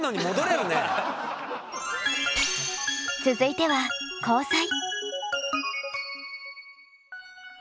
続いては交際。